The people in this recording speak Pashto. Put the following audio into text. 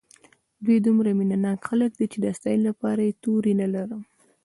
دوی دومره مینه ناک خلک دي چې د ستاینې لپاره یې توري نه لرم.